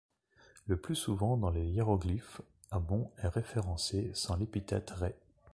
Le plus souvent dans les hiéroglyphes, Amon est référencé sans l'épithète Rê.